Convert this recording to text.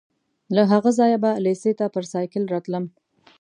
له هغه ځایه به لېسې ته پر سایکل راتلم.